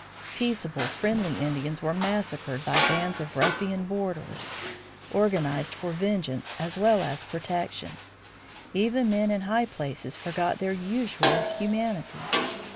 Peaceable, friendly Indians were massacred by bands of ruffian borderers, organized for vengeance as well as protection. Even men in high places forgot their usual humanity.